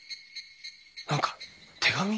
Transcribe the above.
何か手紙。